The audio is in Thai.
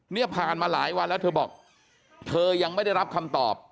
เนี่ยผ่านมาหลายวันแล้วเธอบอกเธอยังไม่ได้รับคำตอบ